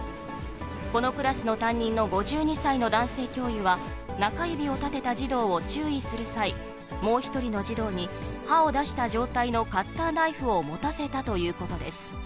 このクラスの担任の５２歳の男性教諭は、中指を立てた児童を注意する際、もう１人の児童に、刃を出した状態のカッターナイフを持たせたということです。